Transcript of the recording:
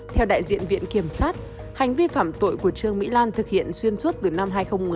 theo đại diện viện kiểm sát hành vi phẩm tội của trương bị lan thực hiện xuyên suốt từ năm hai nghìn một mươi hai